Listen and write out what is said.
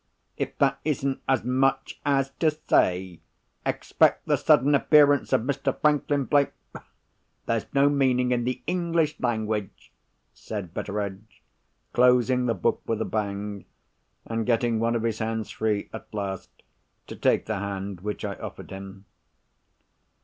If that isn't as much as to say: 'Expect the sudden appearance of Mr. Franklin Blake'—there's no meaning in the English language!" said Betteredge, closing the book with a bang, and getting one of his hands free at last to take the hand which I offered him.